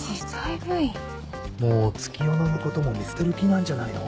もう月夜野のことも見捨てる気なんじゃないの？